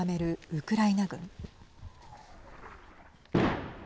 ウクライナ軍。